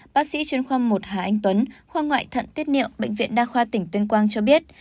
bác sĩ chuyên khoa một hà anh tuấn khoa ngoại thận tiết niệu bệnh viện đa khoa tỉnh tuyên quang cho biết